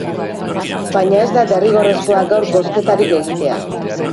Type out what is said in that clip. Baina ez da derrigorrezkoa gaur bozketarik egitea.